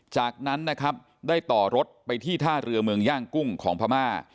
จากนั้นนะครับได้ต่อรถไปที่ท่าเรือเมืองย่างกุ้งของพม่า